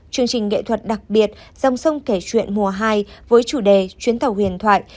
chương trình nghệ thuật đặc biệt dòng sông kể chuyện mùa hai với chủ đề chuyến tàu huyền thoại